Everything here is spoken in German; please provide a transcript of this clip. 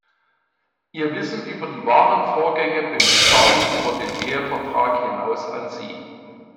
Ihr Wissen über die wahren Vorgänge bindet Charlie über den Ehevertrag hinaus an sie.